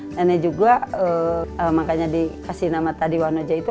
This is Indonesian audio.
nenek juga makanya dikasih nama tadi wonoji itu